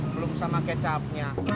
belum sama kecapnya